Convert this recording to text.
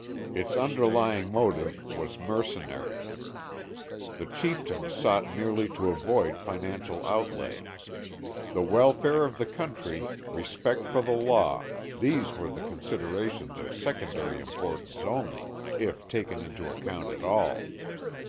Its underlying motive was mercenary. The chieftains sought merely to avoid financial outlay. The welfare of the country, respect for the law, these were considerations of secondary importance only, if taken into account at all.